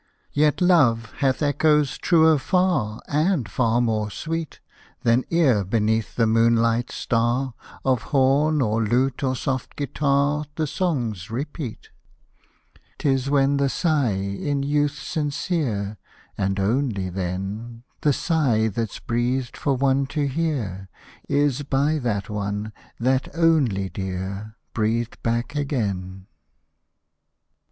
Yet Love hath echoes truer far, And far more sweet. Than e'er beneath the moonlight's star, Of horn, or lute, or soft guitar, The songs repeat. Hosted by Google AND DOTH NOT A MEETING LIKE THIS 41 'Tis when the sigh, in youth sincere, And only then, — The sigh that's breathed for one to hear, Is by that one, that only dear. Breathed back again